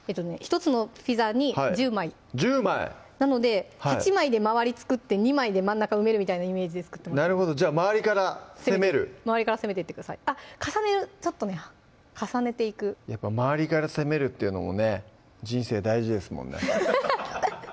１つのピザに１０枚なので８枚で周り作って２枚で真ん中埋めるみたいなイメージで作ってもらってなるほどじゃあ周りから攻めるあっ重ねるちょっとね重ねていく周りから攻めるっていうのもね人生大事ですもんね